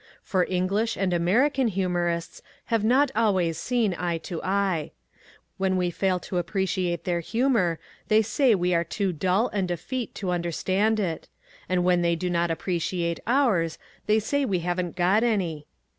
For English and American humourists have not always seen eye to eye. When we fail to appreciate their humour they say we are too dull and effete to understand it: and when they do not appreciate ours they say we haven't got any.